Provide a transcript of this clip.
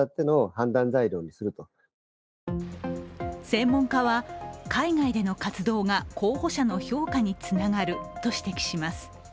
専門家は、海外での活動が候補者の評価につながると指摘します。